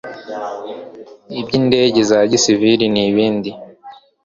iby indege za gisiviri n ibindi